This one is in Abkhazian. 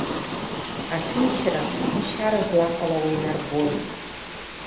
Аҭынҷра аԥсшьара злаҟалауа инарбоит.